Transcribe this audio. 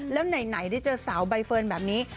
แล้วไหนได้เจอสาวใบเฟิร์นแบบนี้